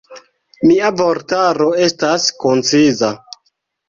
Mia vortaro estas konciza.